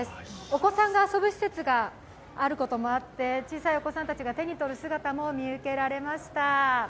お子さんが遊ぶ施設があることもあって小さいお子さんたちが手に取る姿も見受けられました。